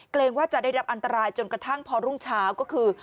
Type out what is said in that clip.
เกรงว่าจะได้รับอันตรายจนกระทั่งพอรุ่งเช้าก็คือ